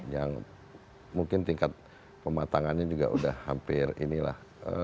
yang mungkin tingkat pematangannya juga sudah hampir inilah